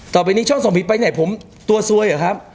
ต่อไปนี้ช่องส่องผีไปไหนผมตัวซวยเหรอครับ